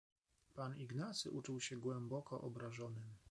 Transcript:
"Pan Ignacy uczuł się głęboko obrażonym."